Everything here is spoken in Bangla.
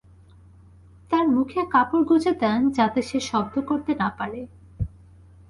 তার মুখে কাপড় গুঁজে দেন, যাতে সে শব্দ করতে না পারে।